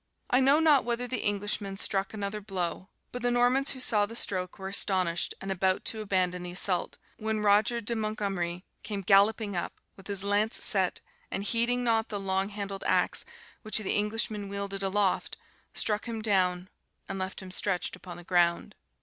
I know not whether the Englishman struck another blow; but the Normans who saw the stroke were astonished and about to abandon the assault, when Roger de Mongomeri came galloping up, with his lance set, and heeding not the long handled axe, which the English man wielded aloft, struck him down, and left him stretched upon the ground.